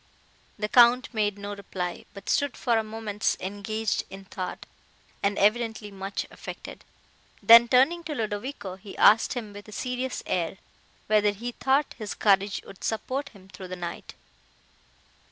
The Count made no reply, but stood for a few moments engaged in thought, and evidently much affected. Then, turning to Ludovico, he asked him with a serious air whether he thought his courage would support him through the night?